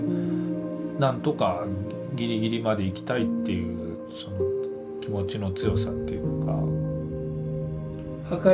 「なんとかギリギリまで行きたい」っていうその気持ちの強さっていうか。